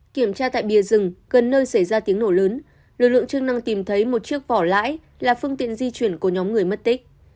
kiểm tra tại bìa rừng gần nơi xảy ra tiếng nổ lớn lực lượng chức năng tìm thấy một chiếc vỏ lãi là phương tiện di chuyển của nhóm người mất tích